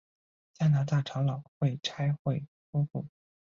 加拿大长老会差会夫妇。